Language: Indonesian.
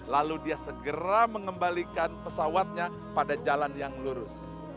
lalu dia segera mengembalikan pesawatnya pada jalan yang lurus